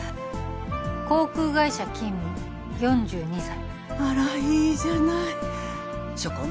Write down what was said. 航空会社勤務４２歳あらいいじゃない初婚？